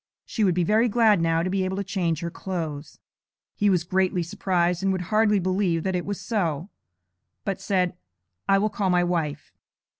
She would be very glad now to be able to change her clothes.' He was greatly surprised, and would hardly believe that it was so; but said, 'I will call my wife.'